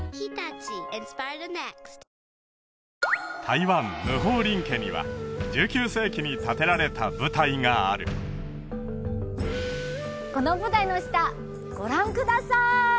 台湾霧峰林家には１９世紀に建てられた舞台があるこの舞台の下ご覧ください